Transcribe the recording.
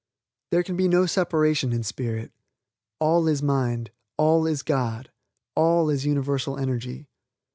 There can be no separation in Spirit. All is Mind, all is God, all is Universal Energy.